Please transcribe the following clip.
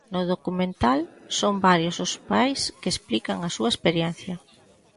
No documental, son varios os pais que explican a súa experiencia.